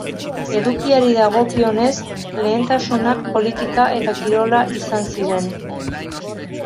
Edukiari dagokionez, lehentasunak politika eta kirola izan ziren.